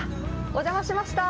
お邪魔しました。